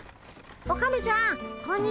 オカメちゃんこんにちは。